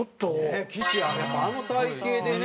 ねえ岸やっぱあの体形でね。